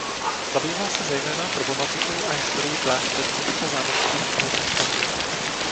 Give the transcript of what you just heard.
Zabýval se zejména problematikou a historií klášterních a zámeckých knihovních fondů.